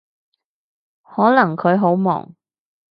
可能佢好忙